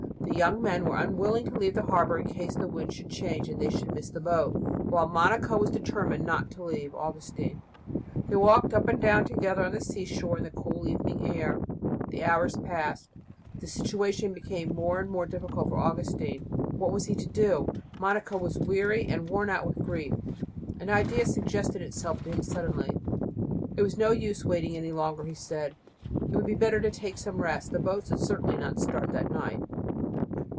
The young men were unwilling to leave the harbour in case the wind should change and they should miss the boat, while Monica was determined not to leave Augustine. They walked up and down together on the seashore in the cool evening air. The hours passed, and the situation became more and more difficult for Augustine. What was he to do? Monica was weary and worn out with grief. An idea suggested itself to him suddenly. It was no use waiting any longer, he said, it would be better to take some rest; the boat would certainly not start that night.